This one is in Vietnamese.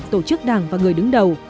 tổ chức đảng và người đứng đầu